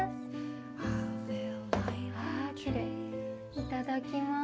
いただきます。